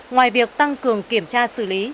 ngoài việc tăng cường kiểm tra xử lý